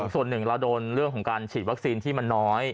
ส่วนหนึ่งเราโดนเรื่องของการฉีดวัคซีนที่มันน้อย